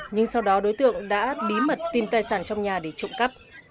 nhưng sau đó đối tượng đã bí mật tìm tài sản trong nhà để trộm cắp